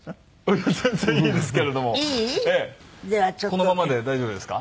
このままで大丈夫ですか？